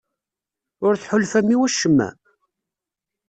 Ur tḥulfam i wacemma?